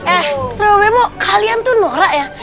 eh terewamemo kalian tuh norak ya